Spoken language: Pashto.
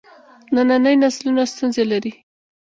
ننني نسلونه ستونزې لري.